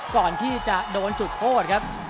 ก่อนที่จะโดนจุดโทษครับ